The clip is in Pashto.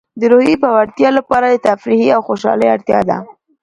د روحیې د پیاوړتیا لپاره د تفریح او خوشحالۍ اړتیا ده.